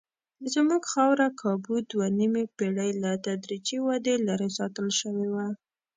زموږ خاوره کابو دوه نیمې پېړۍ له تدریجي ودې لرې ساتل شوې وه.